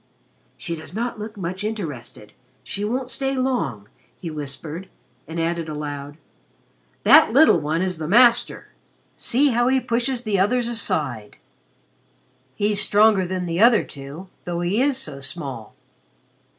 "She does not look much interested. She won't stay long," he whispered, and added aloud, "that little one is the master. See how he pushes the others aside! He is stronger than the other two, though he is so small."